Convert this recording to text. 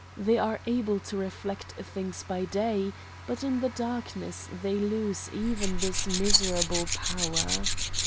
They are able to reflect things by day but in the darkness they lose even this miserable power.